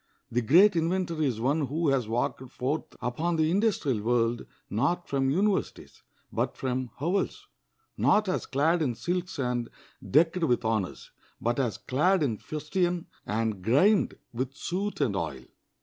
The great inventor is one who has walked forth upon the industrial world, not from universities, but from hovels; not as clad in silks and decked with honors, but as clad in fustian and grimed with soot and oil.